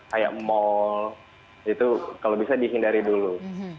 kayak mal itu kalau bisa dihindari dulu